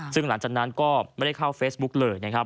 ซึ่งหลังจากนั้นก็ไม่ได้เข้าเฟซบุ๊กเลยนะครับ